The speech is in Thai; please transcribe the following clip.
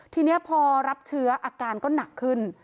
ทีนี้พอรับเชื้ออาการก็หนักขึ้น